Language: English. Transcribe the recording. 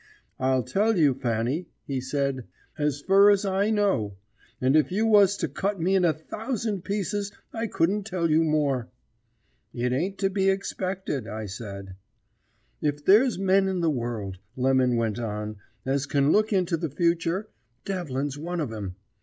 "'I'll tell you, Fanny,' he said, 'as fur as I know; and if you was to cut me in a thousand pieces I couldn't tell you more.' "'It ain't to be egspected,' I said. "'If there's men in the world,' Lemon went on, 'as can look into the future, Devlin's one of 'em.